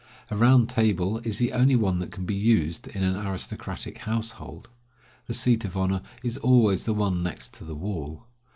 A round table is the only one that can be used in an aristocratic household. The seat of honor is always the one next to the wall.